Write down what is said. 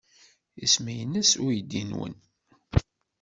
Isem-nnes uydi-nwen?